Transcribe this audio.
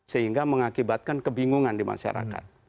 sehingga mengakibatkan kebingungan di masyarakat